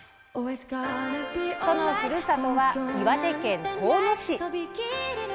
そのふるさとは岩手県遠野市。